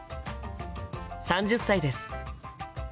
３０歳です。